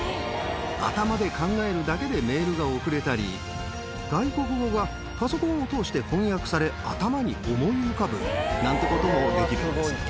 頭で考えるだけでメールが送れたり、外国語がパソコンを通して翻訳され、頭に思い浮かぶなんてこともできるんです。